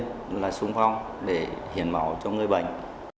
tôi đã sống vong để hiển bảo cho người bệnh